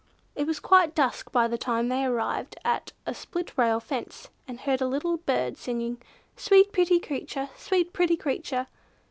It was quite dusk by the time they arrived at a split rail fence, and heard a little bird singing, "Sweet pretty creature! Sweet pretty creature!"